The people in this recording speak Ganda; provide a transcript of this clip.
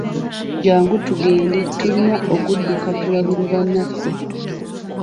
Jangu tugende, tulina okudduka tugende tulabule bannaffe.